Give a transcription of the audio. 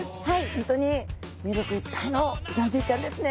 本当に魅力いっぱいのギョンズイちゃんですね。